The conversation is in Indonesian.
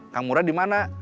kang mura dimana